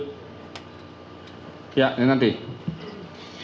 ya ini mobil yang di asal berimob lanjut